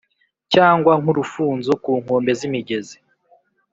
cyangwa nk’urufunzo ku nkombe z’imigezi.